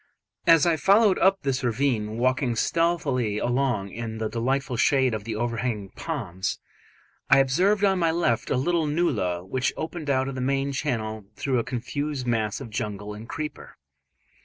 As I followed up this ravine, walking stealthily along in the delightful shade of the overhanging palms, I observed on my left a little nullah which opened out of the main channel through a confused mass of jungle and creeper.